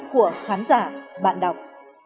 của khán giả bạn đọc